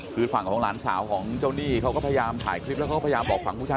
คือฝั่งของหลานสาวของเจ้าหนี้เขาก็พยายามถ่ายคลิปแล้วเขาก็พยายามบอกฝั่งผู้ชาย